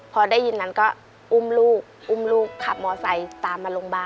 พอได้ยินนั้นก็อุ้มลูกอุ้มลูกขับมอไซค์ตามมาโรงพยาบาล